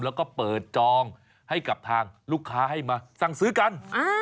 แล้วก็เปิดจองให้กับทางลูกค้าให้มาสั่งซื้อกัน